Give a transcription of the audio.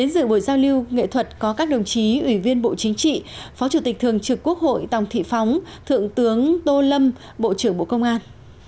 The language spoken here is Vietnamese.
dự buổi giao lưu nghệ thuật có các đồng chí ủy viên bộ chính trị phó chủ tịch thường trực quốc hội tòng thị phóng thượng tướng tô lâm bộ trưởng bộ công an